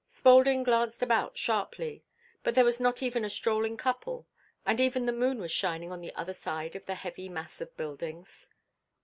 Spaulding glanced about sharply, but there was not even a strolling couple, and even the moon was shining on the other side of the heavy mass of buildings.